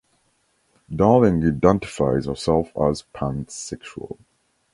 Darling identifies herself as pansexual.